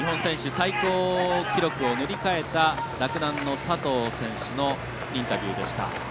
最高記録を塗り替えた、洛南の佐藤選手のインタビューでした。